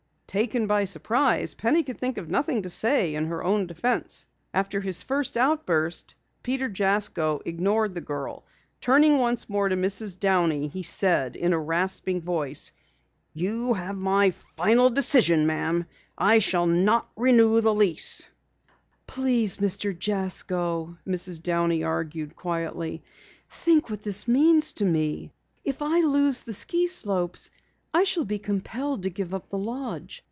Taken by surprise, Penny could think of nothing to say in her own defense. After his first outburst, Peter Jasko ignored the girl. Turning once more to Mrs. Downey he said in a rasping voice: "You have my final decision, Ma'am. I shall not renew the lease." "Please, Mr. Jasko," Mrs. Downey argued quietly. "Think what this means to me! If I lose the ski slopes I shall be compelled to give up the lodge.